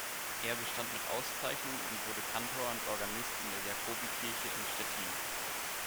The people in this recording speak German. Er bestand mit Auszeichnung und wurde Kantor und Organist an der Jakobikirche in Stettin.